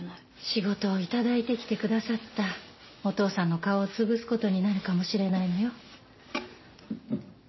仕事を頂いてきてくださったお父さんの顔を潰す事になるかもしれないのよ。